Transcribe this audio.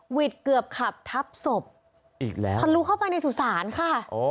หวีดเกือบขับทับศพอีกแล้วทะลุเข้าไปในสู่ศาลค่ะอ๋อ